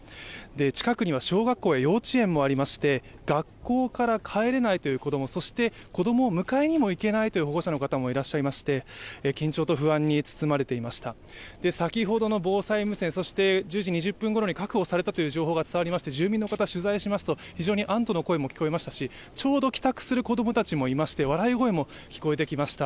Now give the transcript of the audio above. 近くには小学校や幼稚園もありまして学校から帰れないという子供、子供、そして子供を迎えにも行けないという保護者の方もいらっしゃいまして緊張と不安に包まれていました、先ほどの防災無線、１０時２０分ごろに確保されたという情報が伝わりまして、住民の方を取材しますと、非常に安どの声も聞こえましたしちょうど帰宅する子供たちも今して笑い声も聞こえてきました、